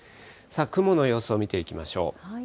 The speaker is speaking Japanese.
雲の様子を見ていきましょう。